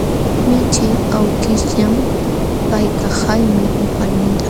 Michii awkishñam kaykan, haymi upanilaq.